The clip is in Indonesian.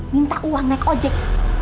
minta uang naik ojek